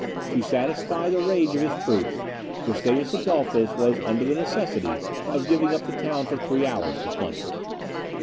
To satisfy the rage of his troops, Gustavus Adolphus was under the necessity of giving up the town for three hours to plunder.